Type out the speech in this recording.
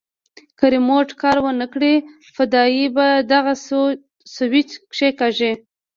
که ريموټ کار ونه کړي فدايي به دغه سوېچ کښېکاږي.